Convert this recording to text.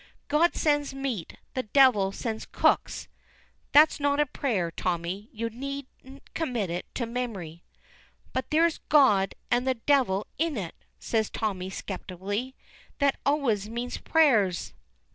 'God sends meat, the devil sends cooks.' That's not a prayer, Tommy, you needn't commit it to memory." "But there's 'God' and the 'devil' in it," says Tommy, skeptically: "that always means prayers."